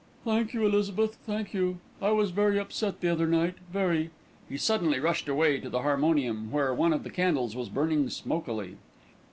"Thank you, Elizabeth, thank you. I was very upset the other night, very." He suddenly rushed away to the harmonium, where one of the candles was burning smokily.